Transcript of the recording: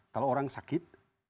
kalau orang sakit